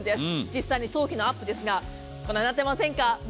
実際に頭皮のアップですがこのようになっていませんか？